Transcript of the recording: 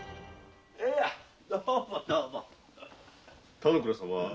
田之倉様